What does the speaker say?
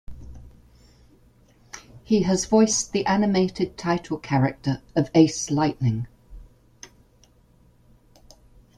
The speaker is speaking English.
He has voiced the animated title character of Ace Lightning.